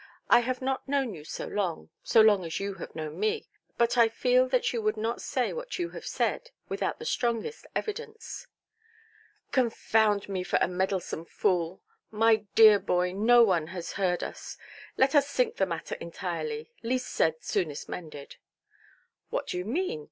I have not known you so long—so long as you have known me—but I feel that you would not say what you have said, without the strongest evidence". "Confound me for a meddlesome fool! My dear boy, no one has heard us. Let us sink the matter entirely. Least said, soonest mended". "What do you mean?